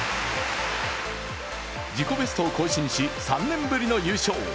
自己ベストを更新し、３年ぶりの優勝。